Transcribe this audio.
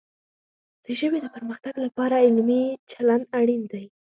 د ژبې د پرمختګ لپاره علمي چلند اړین دی.